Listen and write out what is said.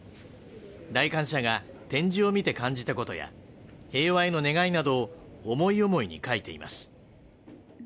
来館者が展示を見て感じた事や平和への願いなど思い思いに描いています